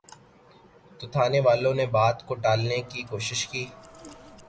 تو تھانے والوں نے بات کو ٹالنے کی کوشش کی۔